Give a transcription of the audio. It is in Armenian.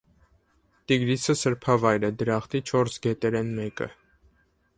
Տիգրիսը սրբավայր է, դրախտի չորս գետերէն մէկը։